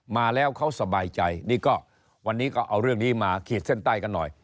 มาแล้วเขาสบายใจนี่ก็วันนี้ก็เอาเรื่องนี้มาขีดเส้นใต้กันหน่อย